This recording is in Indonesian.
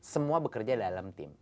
semua bekerja dalam tim